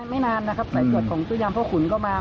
ไม่นานนะครับใส่จดของตู้ยามพ่อขุนเข้ามา